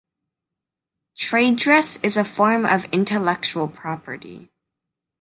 Trade dress is a form of intellectual property.